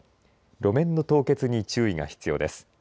路面の凍結に注意が必要です。